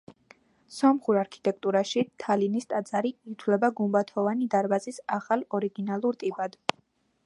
სომხურ არქიტექტურაში თალინის ტაძარი ითვლება გუმბათოვანი დარბაზის ახალ, ორიგინალურ ტიპად.